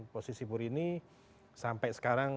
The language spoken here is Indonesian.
posisi bu rini sampai sekarang